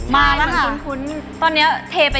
มาแล้วค่ะ